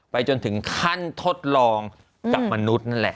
จนถึงขั้นทดลองกับมนุษย์นั่นแหละ